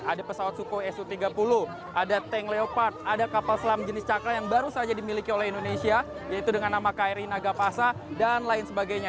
ada pesawat sukhoi su tiga puluh ada tank leopard ada kapal selam jenis cakra yang baru saja dimiliki oleh indonesia yaitu dengan nama kri nagapasa dan lain sebagainya